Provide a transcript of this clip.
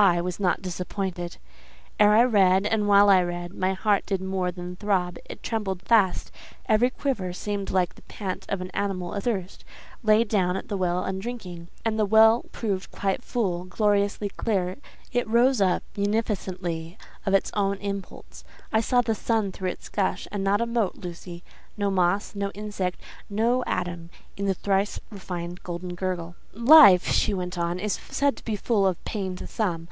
I was not disappointed. Ere I read, and while I read, my heart did more than throb—it trembled fast—every quiver seemed like the pant of an animal athirst, laid down at a well and drinking; and the well proved quite full, gloriously clear; it rose up munificently of its own impulse; I saw the sun through its gush, and not a mote, Lucy, no moss, no insect, no atom in the thrice refined golden gurgle. "Life," she went on, "is said to be full of pain to some.